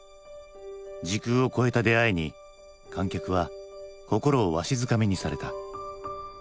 時空を越えた出会いに観客は心をわしづかみにされた。